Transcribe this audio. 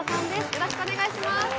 よろしくお願いします。